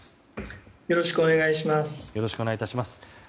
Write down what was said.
よろしくお願いします。